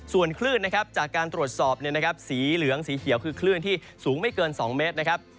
ส่วนคลื่นนะครับจากการตรวจสอบสีเหลืองสีเขียวคือคลื่นที่สูงไม่เกิน๒เมตรนะครับ